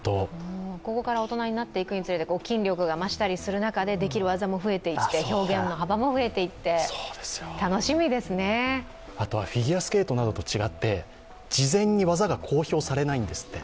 ここから大人になっていくにつれて筋力が増していくにつれてできる技も増えていって表現の幅も増えていってあとはフィギュアスケートなどと違って、事前に技が公表されないんですって。